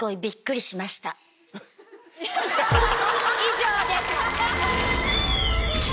以上です。